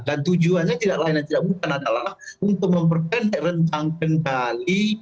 dan tujuannya tidak lain dan tidak bukan adalah untuk memperkenat rentang kendali